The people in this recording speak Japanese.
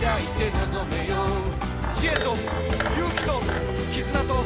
「知恵と勇気ときずなと」